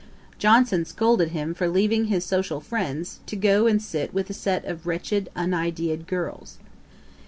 Johnson scolded him for 'leaving his social friends, to go and sit with a set of wretched un idea'd girls.'